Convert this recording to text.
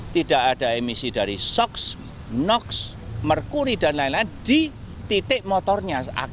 tidak ada emisi dari sox nox merkuri dan lain lain di titik motornya